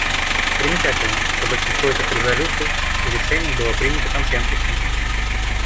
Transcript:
Примечательно, что большинство этих резолюций и решений было принято консенсусом.